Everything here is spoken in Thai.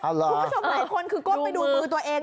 ผมขนไปดูมือตัวเอง